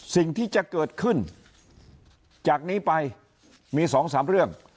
สิ่งที่จะเกิดขึ้นจากนี้ไปมี๒๓เรื่อง